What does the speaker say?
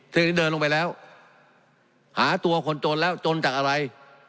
ซึ่งที่เดินลงไปแล้วหาตัวคนจนแล้วจนจากอะไร